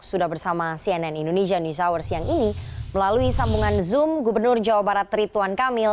sudah bersama cnn indonesia news hour siang ini melalui sambungan zoom gubernur jawa barat rituan kamil